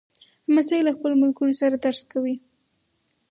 لمسی له خپلو ملګرو سره درس کوي.